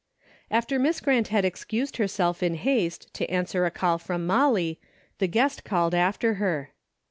After Miss Grant had excused herself in haste, to answer a call from Molly, the guest called after her.